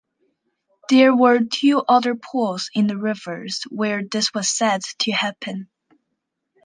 There were two other pools in the rivers where this was said to happen.